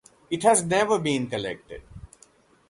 It has never been collected.